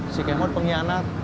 si kemot pengkhianat